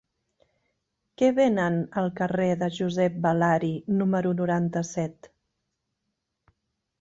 Què venen al carrer de Josep Balari número noranta-set?